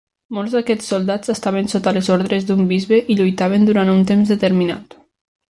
Molts d'aquests soldats estaven sota les ordres d'un bisbe i lluitaven durant un temps determinat.